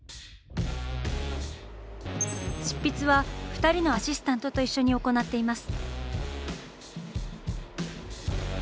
執筆は２人のアシスタントと一緒に行っています。